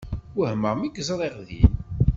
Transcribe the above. Wehmeɣ mi k-ẓriɣ din.